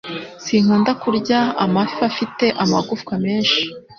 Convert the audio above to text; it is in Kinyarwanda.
Sinkunda kurya amafi afite amagufwa menshi